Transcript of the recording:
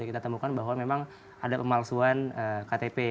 kita temukan bahwa memang ada pemalsuan ktp